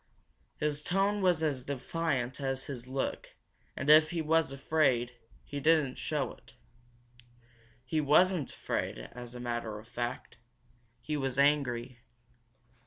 His tone was as defiant as his look and if he was afraid, he didn't show it. He wasn't afraid, as a matter of fact. He was angry.